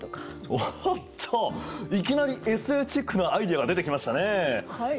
おっといきなりＳＦチックなアイデアが出てきましたねえ。はい。